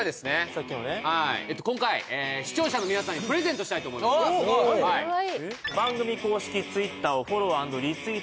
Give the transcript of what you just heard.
さっきのね今回視聴者の皆さんにプレゼントしたいと思います・あっすごい！